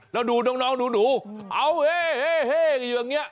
แล้วดูน้องหนูเอาเฮ่อยู่อย่างนี้